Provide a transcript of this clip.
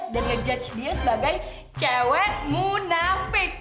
dan ngejudge dia sebagai cewek munafik